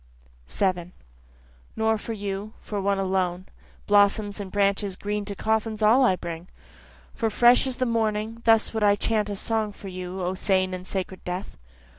7 (Nor for you, for one alone, Blossoms and branches green to coffins all I bring, For fresh as the morning, thus would I chant a song for you O sane and sacred death.